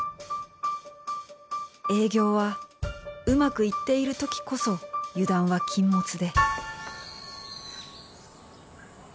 営業はうまくいっているときこそ油断は禁物で。